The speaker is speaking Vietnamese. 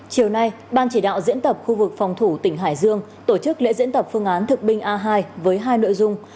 chiều nay ban chỉ đạo diễn tập khu vực phòng thủ tỉnh hải dương tổ chức lễ diễn tập phương án thực binh a hai với hai nội dung